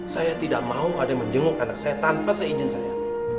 saya tidak mau ada yang menjenguk anak saya tanpa seizin saya